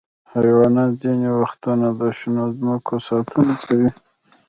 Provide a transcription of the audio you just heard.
حیوانات ځینې وختونه د شنو ځمکو ساتنه کوي.